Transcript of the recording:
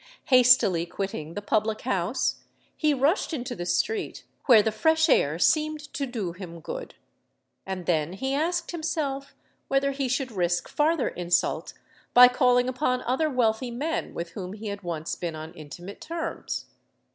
Hastily quitting the public house, he rushed into the street, where the fresh air seemed to do him good. And then he asked himself whether he should risk farther insult by calling upon other wealthy men with whom he had once been on intimate terms?